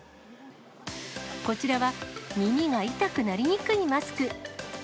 こちらは、耳が痛くなりにくいマスク。